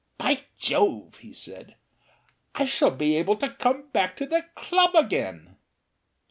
"By Jove!" he said, "I shall be able to come back to the club again."